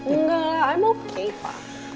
enggak lah i'm okay pak